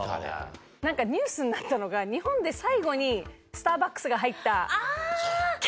なんかニュースになったのが日本で最後にスターバックスが入った県。